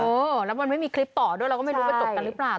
เออแล้วมันไม่มีคลิปต่อด้วยเราก็ไม่รู้ไปจบกันหรือเปล่า